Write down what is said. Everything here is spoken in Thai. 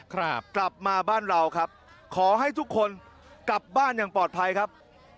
กลับมาบ้านเราครับขอให้ทุกคนกลับบ้านอย่างปลอดภัยครับ